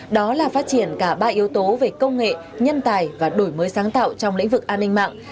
đó là phát triển cả ba yếu tố về công nghệ nhân tài và đổi mới sáng tạo trong lĩnh vực an ninh mạng